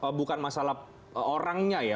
jadi bukan masalah orangnya ya